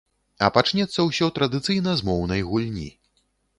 А пачнецца ўсе традыцыйна з моўнай гульні.